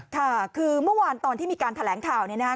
ค่ะคือเมื่อวานตอนที่มีการแถลงข่าวเนี่ยนะฮะ